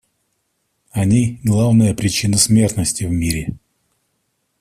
Они главная причина смертности в мире.